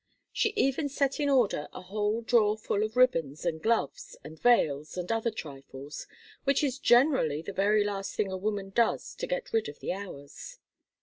She even set in order a whole drawer full of ribbons and gloves and veils and other trifles, which is generally the very last thing a woman does to get rid of the hours.